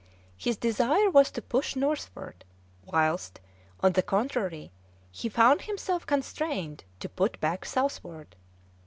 His desire was to push northward, whilst, on the contrary, he found himself constrained to put back southward.